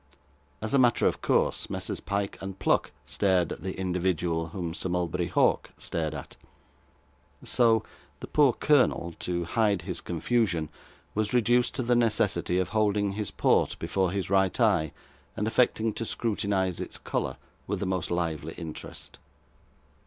As a matter of course, Messrs Pyke and Pluck stared at the individual whom Sir Mulberry Hawk stared at; so, the poor colonel, to hide his confusion, was reduced to the necessity of holding his port before his right eye and affecting to scrutinise its colour with the most lively interest.